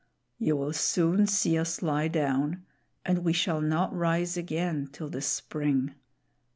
You will soon see us lie down, and we shall not rise again till the spring.